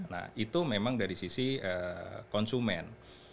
nah itu memang dari sisi konsumen